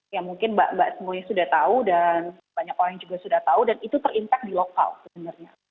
yang mungkin mbak semuanya sudah tahu dan banyak orang juga sudah tahu dan itu terimpak di lokal sebenarnya